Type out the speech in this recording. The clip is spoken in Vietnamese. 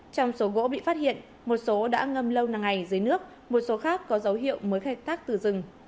trong số gỗ bị phát hiện một số đã ngâm lâu năm ngày dưới nước một số khác có dấu hiệu mới khai thác từ rừng